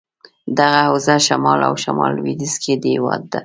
دغه حوزه شمال او شمال لودیځ کې دهیواد ده.